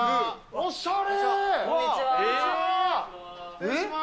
おしゃれー。